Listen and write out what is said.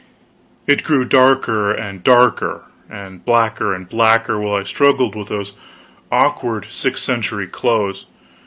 It grew darker and darker and blacker and blacker, while I struggled with those awkward sixth century clothes.